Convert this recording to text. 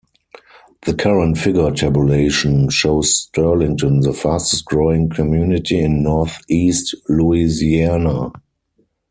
The current figure tabulation shows Sterlington the fastest-growing community in Northeast Louisiana.